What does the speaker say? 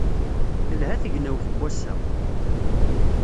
Telha tegnawt n wass-a.